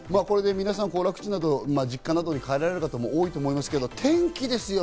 皆さん行楽地など実家などに帰られる方も多いと思いますが、天気ですよ。